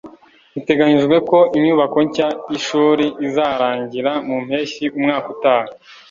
biteganijwe ko inyubako nshya y'ishuri izarangira mu mpeshyi umwaka utaha